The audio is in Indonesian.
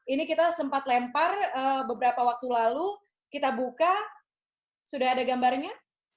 ini kita sempat lempar beberapa waktu lalu kita buka sudah ada gambarnya